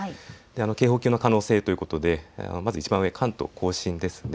警報級の可能性ということでまずいちばん上、関東甲信です。